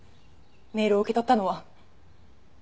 メールを受け取ったのは。